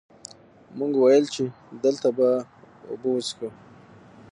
مونږ ويل چې دلته به اوبۀ وڅښو ـ